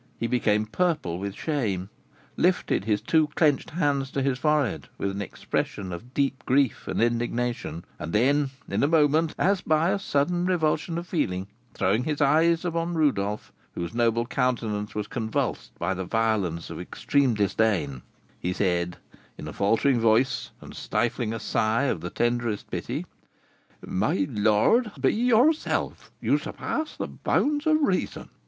He became purple with shame, lifted his two clenched hands to his forehead with an expression of deep grief and indignation, and then, in a moment, as by a sudden revulsion of feeling, throwing his eyes on Rodolph, whose noble countenance was convulsed by the violence of extreme disdain, he said, in a faltering voice, and stifling a sigh of the tenderest pity, "My lord, be yourself; you surpass the bounds of reason."